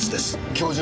今日中？